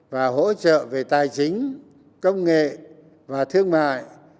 và hỗ trợ về tài chính công nghệ và thương mại